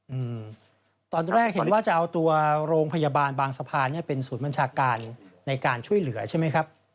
อืมตอนแรกเห็นว่าจะเอาตัวโรงพยาบาลบางสะพานเนี้ยเป็นศูนย์บัญชาการในการช่วยเหลือใช่ไหมครับ